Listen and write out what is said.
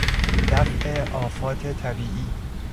دفع آفات طبیعی